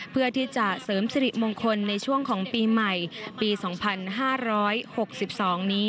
เพื่อที่จะเสริมสิริมงคลในช่วงของปีใหม่ปี๒๕๖๒นี้